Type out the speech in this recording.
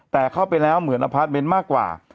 แต่เข้าไปแล้วเหมือนอภัทรเบนมากกว่า